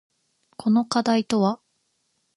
この課題とは？